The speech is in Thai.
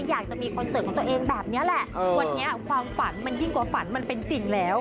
อยากจะมีคอนเสิร์ตของตัวเองแบบนี้แหละวันนี้ความฝันมันยิ่งกว่าฝันมันเป็นจริงแล้ว